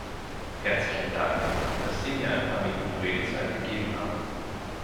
Herzlichen Dank, dass Sie mir ein paar Minuten Redezeit gegeben haben.